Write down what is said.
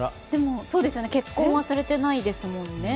結婚はされてないですもんね。